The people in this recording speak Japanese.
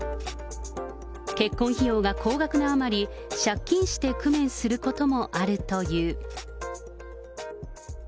結婚費用が高額なあまり、借金して工面することもあるという。